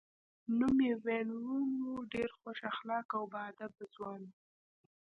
نوم یې وین وون و، ډېر خوش اخلاقه او با ادبه ځوان و.